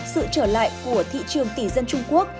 sự trở lại của thị trường tỷ dân trung quốc